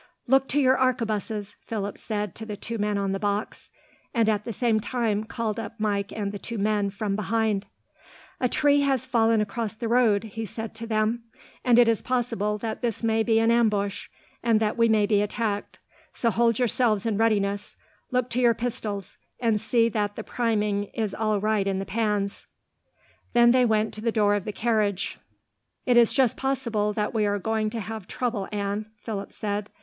"Look to your arquebuses," Philip said to the two men on the box, and at the same time called up Mike and the two men, from behind. "A tree has fallen across the road," he said to them, "and it is possible that this may be an ambush, and that we may be attacked, so hold yourselves in readiness, look to your pistols, and see that the priming is all right in the pans." Then they went to the door of the carriage. "It is just possible that we are going to have trouble, Anne," Philip said.